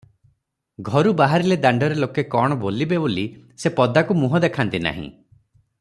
ଘରୁ ବାହାରିଲେ ଦାଣ୍ଡରେ ଲୋକେ କଣ ବୋଲିବେ ବୋଲି ସେ ପଦାକୁ ମୁହଁ ଦେଖାନ୍ତି ନାହିଁ ।